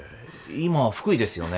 今福井ですよね